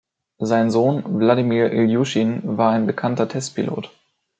Sein Sohn, Wladimir Iljuschin, war ein bekannter Testpilot.